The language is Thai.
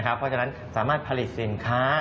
เพราะฉะนั้นสามารถผลิตสินค้า